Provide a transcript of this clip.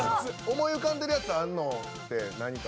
思い浮かんでるやつあんのって何か。